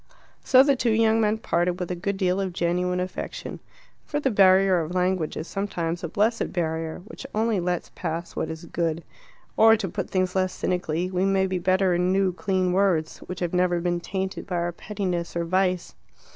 So the two young men parted with a good deal of genuine affection. For the barrier of language is sometimes a blessed barrier, which only lets pass what is good. Or to put the thing less cynically we may be better in new clean words, which have never been tainted by our pettiness or vice.